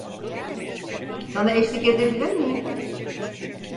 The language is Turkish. Sana eşlik edebilir miyim?